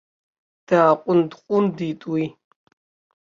Дааҟәынд-ҟәындит уи.